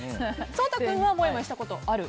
颯太君はもやもやしたことある？